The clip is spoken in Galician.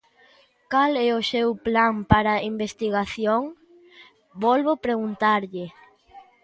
¿Cal é o seu plan para investigación?, volvo preguntarlle.